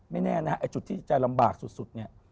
แน่นะฮะไอ้จุดที่จะลำบากสุดเนี่ย